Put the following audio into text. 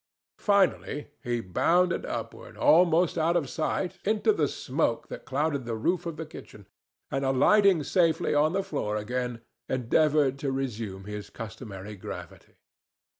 Finally, he bounded upward, almost out of sight, into the smoke that clouded the roof of the kitchen, and, alighting safely on the floor again, endeavored to resume his customary gravity.